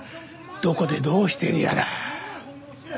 どこでどうしてるやら。